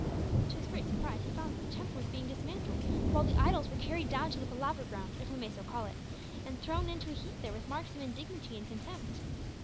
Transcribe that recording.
To his great surprise he found that the temple was being dismantled, while the idols were carried down to the palaver ground, if we may so call it, and thrown into a heap there with marks of indignity and contempt.